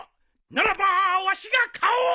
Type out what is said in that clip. ならばわしが買おう！